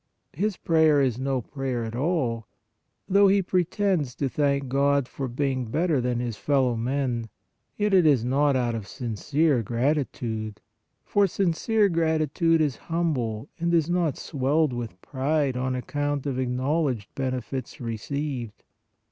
His prayer is no prayer at all; though he pretends to thank God for being better than his fellow men, yet it is not out of sincere gratitude, for sincere 74 PRAYER gratitude is humble and is not swelled with pride on account of acknowledged benefits received.